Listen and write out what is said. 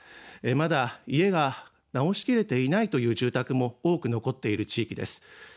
まだ家が直しきれていないという住宅も多く残っている地域です。